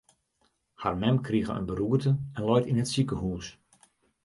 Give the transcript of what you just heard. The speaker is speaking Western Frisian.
Har mem krige in beroerte en leit yn it sikehús.